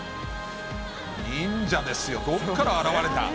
忍者ですよ、どこから現れた。